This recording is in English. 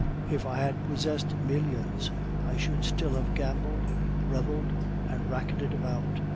If I had possessed millions, I should still have gambled, reveled, and racketed about.